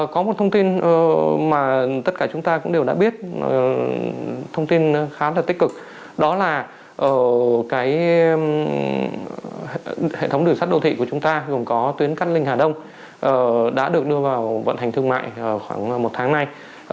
có một thông tin mà tất cả chúng ta cũng đều đã biết thông tin khá là tích cực đó là cái hệ thống đường sắt đô thị của chúng ta gồm có tuyến cát linh hà đông đã được đưa vào vận hành thương mại khoảng một tháng nay